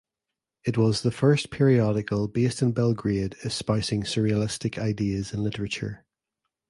It was the first periodical based in Belgrade espousing surrealistic ideas in literature.